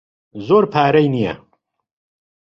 زۆر پارەی نییە.